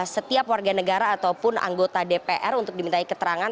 setiap warga negara ataupun anggota dpr untuk dimintai keterangan